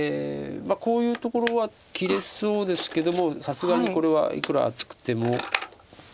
こういうところは切れそうですけどもさすがにこれはいくら厚くても。